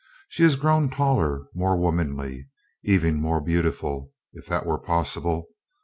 She has grown taller, more womanly, even more beautiful, if that were possible.